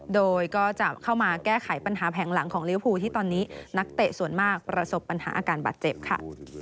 โดยก็จะเข้ามาแก้ไขปัญหาแผงหลังของลิวภูที่ตอนนี้นักเตะส่วนมากประสบปัญหาอาการบาดเจ็บค่ะ